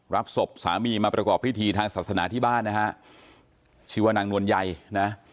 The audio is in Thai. รับศพสามีมาประกอบพิธีทางศาสนาที่บ้านนะฮะชื่อว่านางนวลใยนะ